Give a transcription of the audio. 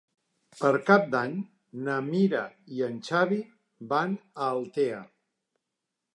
Per Cap d'Any na Mira i en Xavi van a Altea.